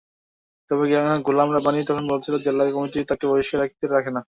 তবে গোলাম রব্বানী তখন বলেছিলেন, জেলা কমিটি তাঁকে বহিষ্কারের এখতিয়ার রাখে না।